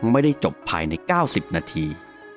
ไม่ได้จบภายใน๙๐นาที